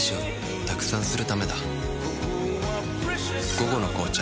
「午後の紅茶」